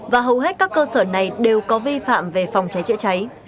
và hầu hết các cơ sở này đều có vi phạm về phòng cháy chữa cháy